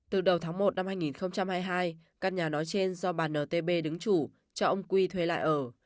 từ đầu tháng một năm hai nghìn hai mươi hai căn nhà nói trên do bà ntb đứng chủ cho ông quy thuê lại ở